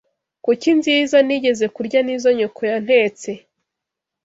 Kuki nziza nigeze kurya nizo nyoko yantetse.